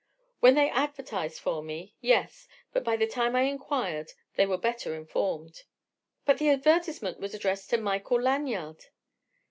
"When they advertised for me—yes. But by the time I enquired they were better informed." "But the advertisement was addressed to Michael Lanyard!"